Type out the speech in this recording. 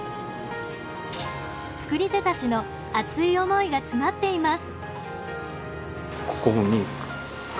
造り手たちの熱い思いが詰まっています。